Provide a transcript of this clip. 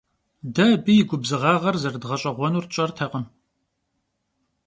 De abı yi gubzığağer zerıdğeş'eğuenur tş'ertekhım.